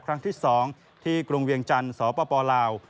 ครั้งที่๒ที่กรุงเวียงจันทร์สปลาว